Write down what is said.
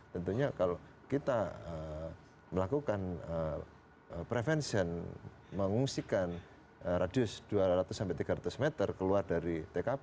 tentunya kalau kita melakukan prevention mengungsikan radius dua ratus sampai tiga ratus meter keluar dari tkp